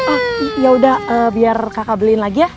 eh yaudah biar kakak beliin lagi ya